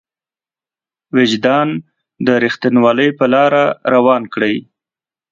وجدان د رښتينولۍ په لاره روان کړي.